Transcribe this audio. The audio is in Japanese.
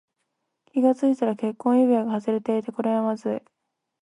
気がついたら結婚指輪が外れていた。これはまずい。